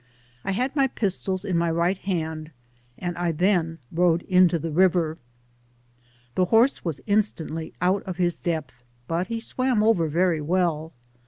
I had my pistols in my right hand, and I then rode into the river. The horse was instantly out of his depth, but he swam over very well.